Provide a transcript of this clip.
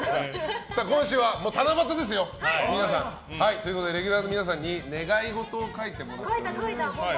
今週は七夕ですよ、皆さん。ということでレギュラーの皆さんに願い事を書いてもらいました。